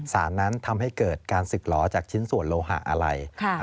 สารนั้นทำให้เกิดการศึกหลอจากชิ้นส่วนโลหะอะไร